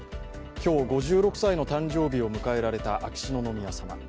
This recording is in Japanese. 今日、５６歳の誕生日を迎えられた秋篠宮さま。